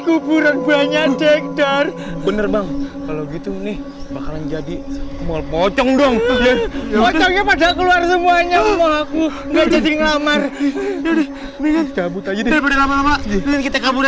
kuburan banyak dekdar bener bang kalau gitu nih bakalan jadi semuanya mau aku